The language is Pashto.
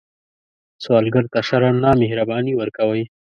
سوالګر ته شرم نه، مهرباني ورکوئ